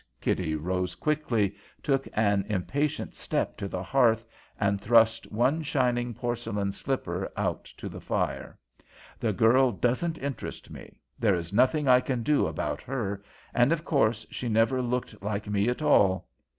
Kitty rose quickly, took an impatient step to the hearth, and thrust one shining porcelain slipper out to the fire. "The girl doesn't interest me. There is nothing I can do about her, and of course she never looked like me at all.